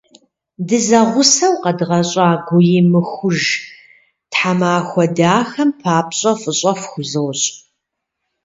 Дызэгъусэу къэдгъэщӏа гуимыхуж тхьэмахуэ дахэм папщӏэ фӏыщӏэ фхузощӏ!